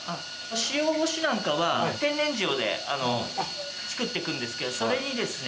塩干しなんかは天然塩で作ってくんですけどそれにですね